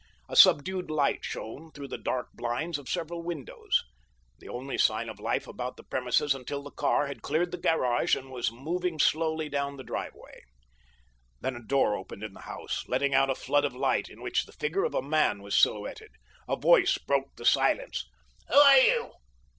A subdued light shone through the drawn blinds of several windows—the only sign of life about the premises until the car had cleared the garage and was moving slowly down the driveway. Then a door opened in the house letting out a flood of light in which the figure of a man was silhouetted. A voice broke the silence. "Who are you?